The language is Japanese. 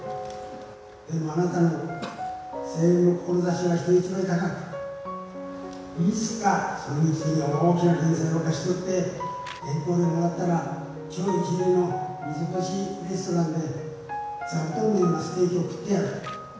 でもあなたの青雲の志は人一倍高く、いつかそのうち大きな連載を勝ち取って、原稿料もらったら、超一流の３つ星レストランで、座布団のようなステーキを食ってやる。